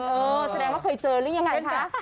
เออแสดงว่าเคยเจอหรือยังไงคะ